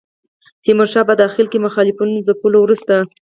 تیمورشاه په داخل کې مخالفینو ځپلو وروسته.